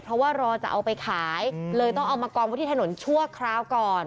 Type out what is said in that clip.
เพราะว่ารอจะเอาไปขายเลยต้องเอามากองไว้ที่ถนนชั่วคราวก่อน